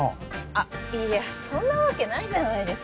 あっいやそんなわけないじゃないですか。